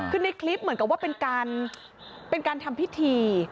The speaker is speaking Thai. คือในคลิปเหมือนกับว่าเป็นการเป็นการทำพิธี